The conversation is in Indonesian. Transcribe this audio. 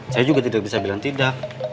saya juga tidak bisa bilang tidak